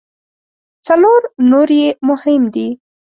څلور نور یې مهم دي.